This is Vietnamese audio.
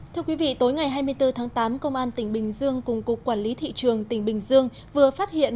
thưa quý vị tối ngày hai mươi bốn tháng tám công an tỉnh bình dương cùng cục quản lý thị trường tỉnh bình dương vừa phát hiện